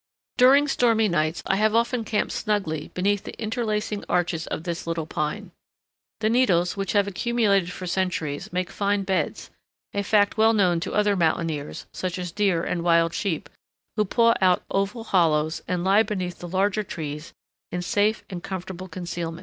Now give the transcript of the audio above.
During stormy nights I have often camped snugly beneath the interlacing arches of this little pine. The needles, which have accumulated for centuries, make fine beds, a fact well known to other mountaineers, such as deer and wild sheep, who paw out oval hollows and lie beneath the larger trees in safe and comfortable concealment.